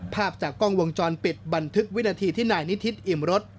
ภาพจากกล้องวงจรปิดบันทึกวินาทีที่นายนิทิศอิ่มรถ